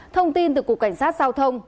thông tin từ cục cảnh sát giao thông